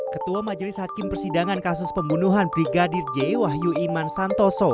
ketua majelis hakim persidangan kasus pembunuhan brigadir j wahyu iman santoso